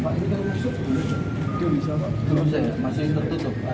pak ini kan rusuk